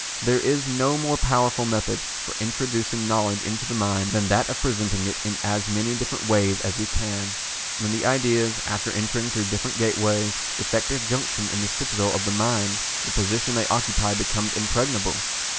There is no more powerful method for introducing knowledge into the mind than that of presenting it in as many different ways as we can. When the ideas, after entering through different gateways, effect a junction in the citadel of the mind, the position they occupy becomes impregnable.